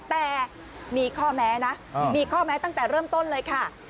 แต่มีข้อแม้ตั้งแต่เริ่มต้นเลยค่ะ